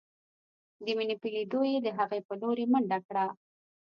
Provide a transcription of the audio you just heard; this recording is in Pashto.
د مينې په ليدو يې د هغې په لورې منډه کړه.